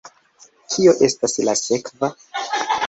Kio estas la sekva?